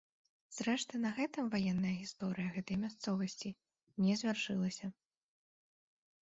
Зрэшты на гэтым ваенная гісторыя гэтай мясцовасці не завяршылася.